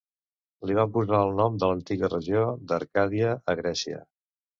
Li van posar el nom per l'antiga regió d'Arcàdia, a Grècia.